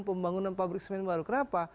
pembangunan pabrik semen baru kenapa